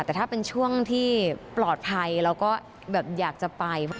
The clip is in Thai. แต่ถ้าเป็นช่วงที่ปลอดภัยเราก็แบบอยากจะไป